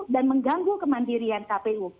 dan mengganggu kemandirian kpu